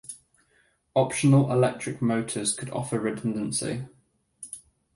Optional electric motors could offer redundancy.